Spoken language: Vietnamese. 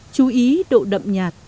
chú ý độ đậm nhạt